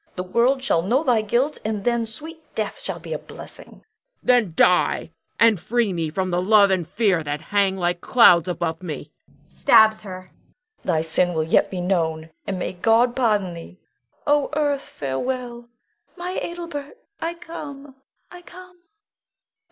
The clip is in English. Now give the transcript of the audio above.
The world shall know thy guilt, and then sweet death shall be a blessing. Huon. Then die, and free me from the love and fear that hang like clouds above me [stabs her]. Bianca. Thy sin will yet be known, and may God pardon thee! O earth, farewell! My Adelbert, I come, I come!